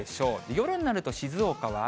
夜になると静岡は雨。